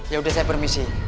ya udah saya permisi